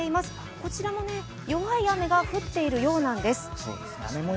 こちら弱い雨が降っているようなんです。